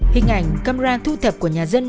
hình ảnh camera thu thập của nhà dân